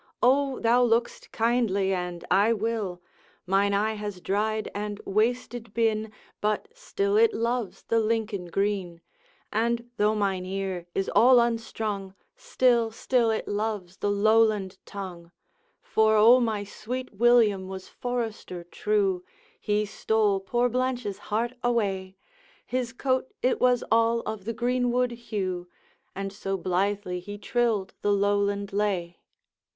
'O! thou look'st kindly, and I will. Mine eye has dried and wasted been, But still it loves the Lincoln green; And, though mine ear is all unstrung, Still, still it loves the Lowland tongue. 'For O my sweet William was forester true, He stole poor Blanche's heart away! His coat it was all of the greenwood hue, And so blithely he trilled the Lowland lay!